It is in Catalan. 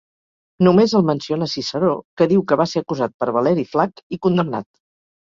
Només el menciona Ciceró, que diu que va ser acusat per Valeri Flac i condemnat.